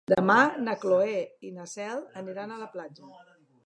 Demà na Cloè i na Cel aniran a la platja.